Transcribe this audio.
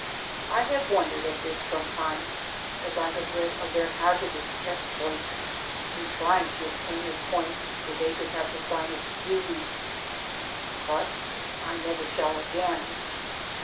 I have wondered at this sometimes, as I have read of their hazardous exploits in 230 DAYS ON THE ROAD. trying to obtain a point where they could have the finest view, but I never shall again.